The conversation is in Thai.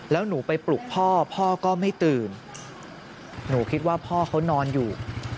แล้วหนูไปปลุกพ่อพ่อก็ไม่ตื่นหนูคิดว่าพ่อเขานอนอยู่